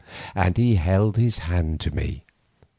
And he held his hand to me.